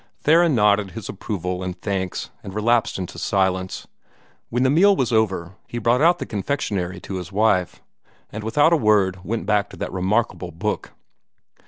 Theron nodded his approval and thanks, and relapsed into silence. When the meal was over, he brought out the confectionery to his wife, and without a word went back to that remarkable book.